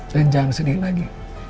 dan jangan sedikit lagi